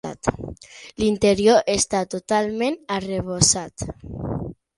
L'interior està totalment arrebossat.